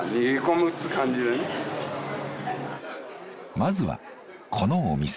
まずはこのお店。